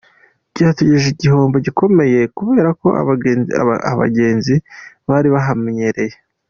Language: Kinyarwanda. Byaduteje igihombo gikomeye kubera ko abagenzi bari bahamenyereye.